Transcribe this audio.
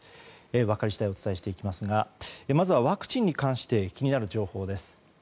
分かり次第お伝えしていきますがまずはワクチンに関して気になる情報です。